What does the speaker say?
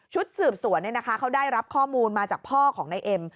สืบสวนเขาได้รับข้อมูลมาจากพ่อของนายเอ็ม